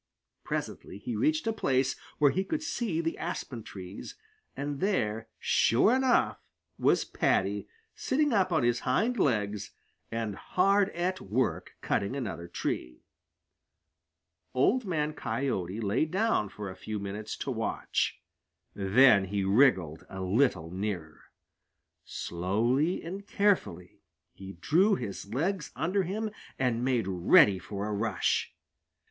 Presently he reached a place where he could see the aspen trees, and there sure enough was Paddy, sitting up on his hind legs and hard at work cutting another tree. Old Man Coyote lay down for a few minutes to watch. Then he wriggled a little nearer. Slowly and carefully he drew his legs under him and made ready for a rush.